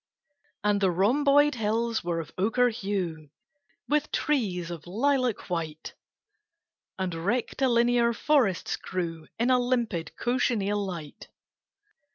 And the rhomboid hills were of ochre hue With trees of lilac white, And rectilinear forests grew In a limpid cochineal light.